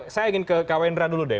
saya ingin ke kawendra dulu deh